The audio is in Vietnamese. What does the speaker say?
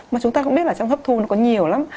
mà chúng ta cũng biết là trong hấp thu nó có nhiều lắm